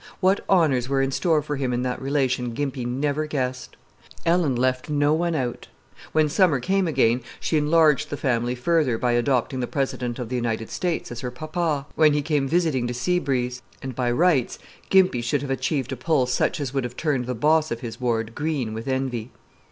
What honors were in store for him in that relation Gimpy never guessed. Ellen left no one out. When summer came again she enlarged the family further by adopting the President of the United States as her papa, when he came visiting to Sea Breeze; and by rights Gimpy should have achieved a pull such as would have turned the boss of his ward green with envy.